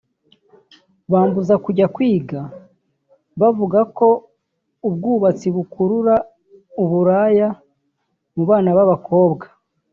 bambuza kujya kuwiga bavuga ko ubwubatsi bukurura uburaya mu bana b’abakobwa